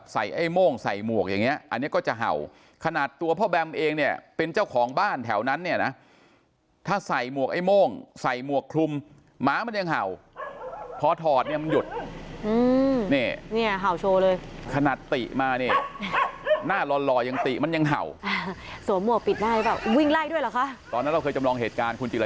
ไอ้โม่งใส่หมวกอย่างเงี้อันนี้ก็จะเห่าขนาดตัวพ่อแบมเองเนี่ยเป็นเจ้าของบ้านแถวนั้นเนี่ยนะถ้าใส่หมวกไอ้โม่งใส่หมวกคลุมหมามันยังเห่าพอถอดเนี่ยมันหยุดอืมเนี่ยเห่าโชว์เลยขนาดติมาเนี่ยหน้าหล่อยังติมันยังเห่าสวมหมวกปิดได้หรือเปล่าวิ่งไล่ด้วยเหรอคะตอนนั้นเราเคยจำลองเหตุการณ์คุณจิร